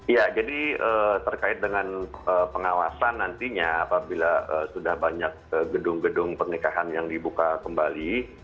ya jadi terkait dengan pengawasan nantinya apabila sudah banyak gedung gedung pernikahan yang dibuka kembali